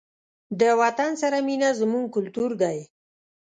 د وطن سره مینه زموږ کلتور دی.